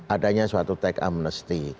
adanya suatu tech amnesty